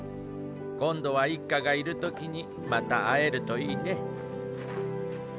今度は一家がいる時にまた会えるといいね。